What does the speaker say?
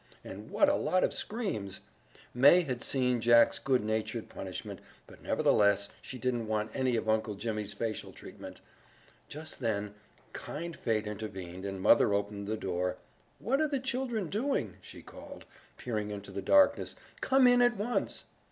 And what a lot of screams! May had seen Jack's good natured punishment, but nevertheless she didn't want any of Uncle Jimmy's facial treatment. Just then, kind fate intervened, and mother opened the door. "What are you children doing?" she called, peering into the darkness. "Come in at once!"